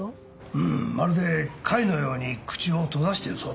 うんまるで貝のように口を閉ざしているそうだ。